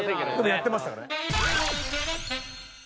でもやってましたからね。